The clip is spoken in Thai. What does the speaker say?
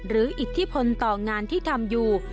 อิทธิพลต่องานที่ทำอยู่